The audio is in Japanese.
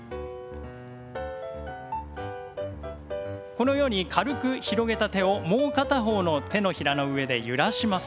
このように軽く広げた手をもう片方の手のひらの上で揺らします。